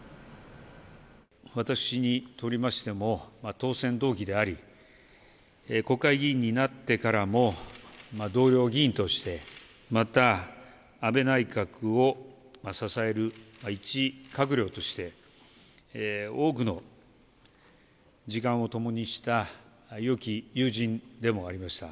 私にとりましても、当選同期であり、国会議員になってからも、同僚議員として、また安倍内閣を支える一閣僚として、多くの時間を共にした、よき友人でもありました。